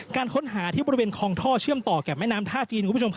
การค้นหาที่บริเวณคลองท่อเชื่อมต่อแก่แม่น้ำท่าจีนคุณผู้ชม